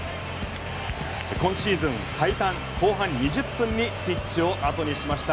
今シーズン最短後半２０分にピッチをあとにしました。